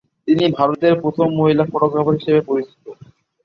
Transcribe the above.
তিনি ভারতের প্রথম মহিলা ফটোগ্রাফার হিসাবে বিবেচিত।